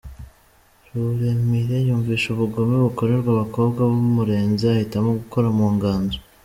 Ruremire yumvise ubugome bukorerwa abakobwa bumurenze ahitamo gukora mu nganzo.